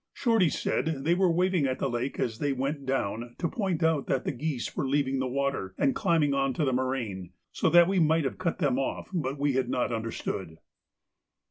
Shorty said they were waving at the lake as they went down to point out that the geese were leaving the water and climbing on to the moraine, so that we might have cut them off, but we had not understood.